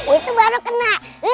itu baru kena